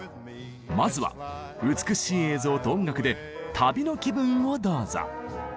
まずは美しい映像と音楽で旅の気分をどうぞ。